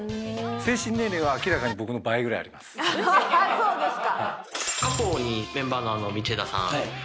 そうですか。